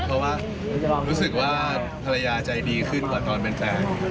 เพราะว่ารู้สึกว่าภรรยาใจดีขึ้นกว่าตอนเป็นแฟน